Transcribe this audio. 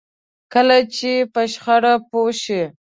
کله چې په شخړه پوه شئ.